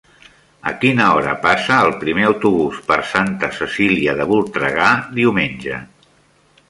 A quina hora passa el primer autobús per Santa Cecília de Voltregà diumenge?